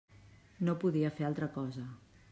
No podia fer altra cosa.